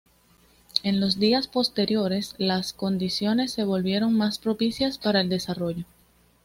En los días posteriores, las condiciones se volvieron más propicias para el desarrollo.